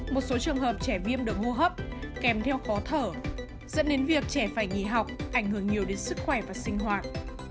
một số trường hợp trẻ viêm đường hô hấp kèm theo khó thở dẫn đến việc trẻ phải nghỉ học ảnh hưởng nhiều đến sức khỏe và sinh hoạt